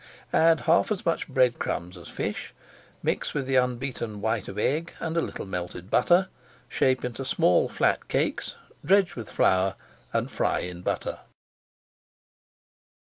Add half as much bread crumbs as fish, mix with the unbeaten white of egg and a little melted butter, shape into small flat cakes, dredge with flour, and fry in butter.